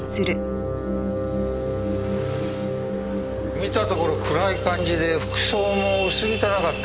見たところ暗い感じで服装も薄汚かった。